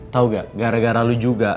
tau gak gara gara lalu juga